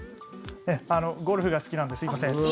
ゴルフが好きなんですいません。